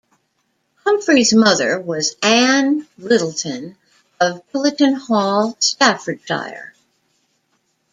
Humphrey's mother was Ann Lyttleton, of Pillaton Hall, Staffordshire.